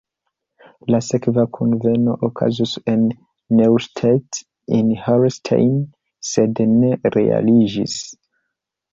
La sekva kunveno okazu en Neustadt in Holstein, sed ne realiĝis.